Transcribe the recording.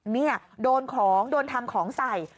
นี่โดนของโดนทำของใส่